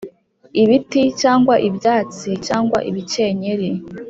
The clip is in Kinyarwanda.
ibiti, cyangwa ibyatsi, cyangwa ibikenyeri,